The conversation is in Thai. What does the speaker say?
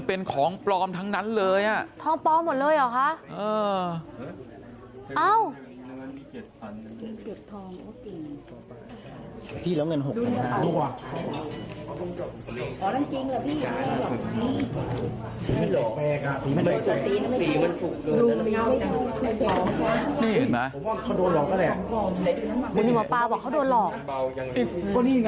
เออแกบอกแกเก็บไว้ในตู้นี่